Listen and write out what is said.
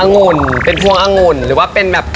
งุ่นเป็นพวงองุ่นหรือว่าเป็นแบบ